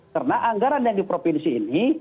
karena anggaran yang di provinsi ini